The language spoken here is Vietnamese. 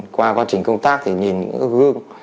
qua quá trình công tác thì nhìn những gương